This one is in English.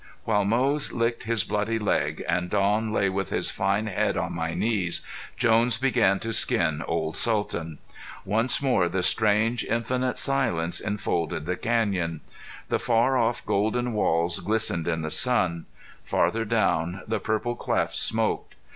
While Moze licked his bloody leg and Don lay with his fine head on my knees, Jones began to skin old Sultan. Once more the strange, infinite silence enfolded the canyon. The far off golden walls glistened in the sun; farther down, the purple clefts smoked.